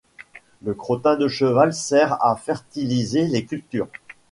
Le crottin de cheval sert à fertiliser les cultures